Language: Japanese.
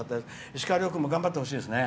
石川遼君も頑張って欲しいですね。